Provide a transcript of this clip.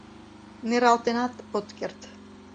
Нералтенат от керт...